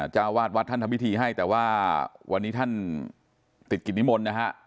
เจ้าวาดวัดท่านทำพิธีให้แต่ว่าวันนี้ท่านติดกิจนิมนต์นะฮะ